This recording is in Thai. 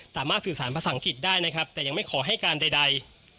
สามารถสื่อสารภาษาอังกฤษได้นะครับแต่ยังไม่ขอให้การใด